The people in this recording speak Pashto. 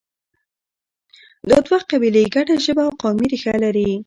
دا دوه قبیلې ګډه ژبه او قومي ریښه لري